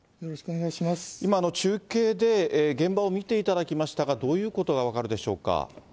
今、中継で現場を見ていただきましたが、どういうことが分かるでしょうか。